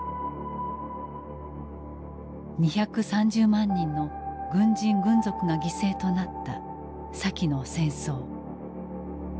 ２３０万人の軍人軍属が犠牲となった先の戦争。